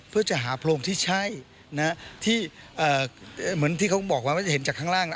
เพื่อจะหาโพรงที่ใช่นะที่เหมือนที่เขาบอกว่าจะเห็นจากข้างล่างแล้ว